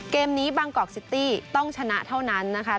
เกมนี้บางกอกซิตี้ต้องชนะเท่านั้นนะคะ